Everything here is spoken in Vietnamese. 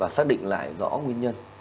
và xác định lại rõ nguyên nhân